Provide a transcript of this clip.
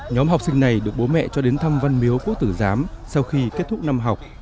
nhóm học sinh này được bố mẹ cho đến thăm văn miếu quốc tử giám sau khi kết thúc năm học